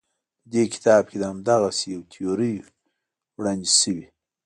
په دې کتاب کې همدغسې یوه تیوري وړاندې شوې.